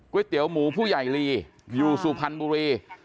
เตี๋ยวหมูผู้ใหญ่ลีอยู่สุพรรณบุรี